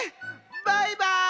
バイバーイ！